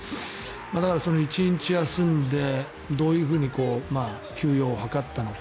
だから、その１日休んでどういうふうに休養を図ったのか。